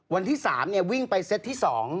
วันที่๓วิ่งไปเซตที่๒